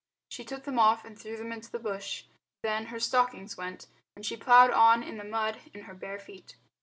She took them off and threw them into the bush; then her stockings went, and she ploughed on in the mud in her bare feet.